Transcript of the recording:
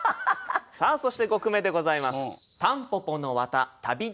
さあそして５句目でございます。